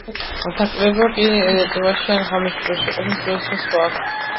დაკლება კი წვიმაში ან ღამის დროში ყოფნის დროს და სხვა.